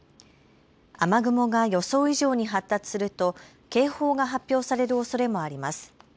雨雲が予想以上に発達すると警報が発表されるおそれもあります。